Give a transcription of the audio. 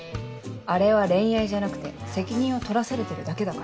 あれは恋愛じゃなくて責任を取らされてるだけだから。